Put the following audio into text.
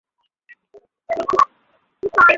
আমরা ফোন তো পানিতে পড়ে গেছে।